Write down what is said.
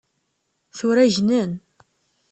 Tura gnen.